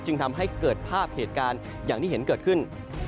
ทำให้เกิดภาพเหตุการณ์อย่างที่เห็นเกิดขึ้น